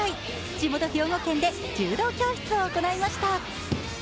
地元・兵庫県で柔道教室を行いました。